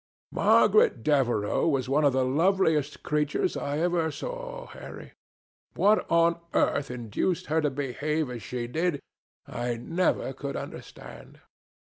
"Margaret Devereux was one of the loveliest creatures I ever saw, Harry. What on earth induced her to behave as she did, I never could understand.